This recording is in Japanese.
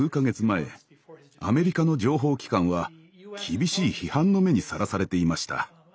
前アメリカの情報機関は厳しい批判の目にさらされていました。